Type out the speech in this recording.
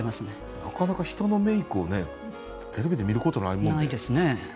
なかなか人のメークをねテレビで見ることないもんね。